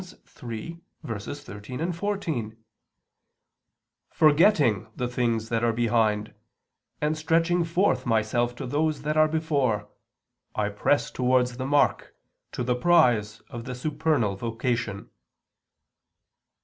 3:13, 14: "Forgetting the things that are behind, and stretching forth myself to those that are before, I press towards the mark, to the prize of the supernal vocation."